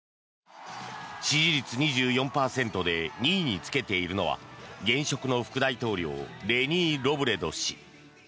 支持率２４％で２位につけているのは現職の副大統領レニー・ロブレド氏。